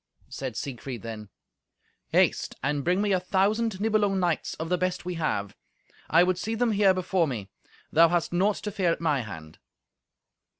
Said Siegfried then, "Haste and bring me a thousand Nibelung knights, of the best we have. I would see them here before me. Thou hast naught to fear at my hand."